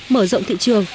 mở rộng thị trường